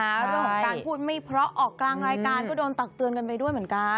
เรื่องของการพูดไม่เพราะออกกลางรายการก็โดนตักเตือนกันไปด้วยเหมือนกัน